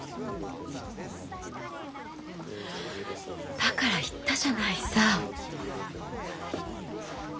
だから言ったじゃないさ。